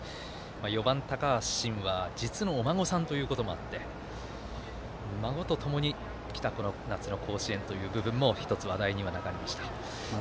４番、高橋慎は実のお孫さんということもあって孫とともにきたこの夏の甲子園ということも１つ話題にはなりました。